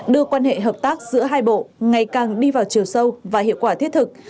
đưa quan hệ hợp tác giữa hai bộ ngày càng đi vào chiều sâu và hiệu quả thiết thực